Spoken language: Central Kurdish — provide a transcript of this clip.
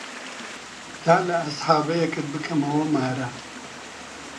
تا لە ئەسحابەیەکت پکەمەوە مارە